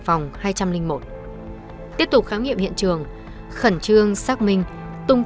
phòng hai trăm linh một tiếp tục khám nghiệm hiện trường khẩn trương xác minh tung tích nạn nhân đến trưa ngày